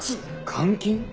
監禁！？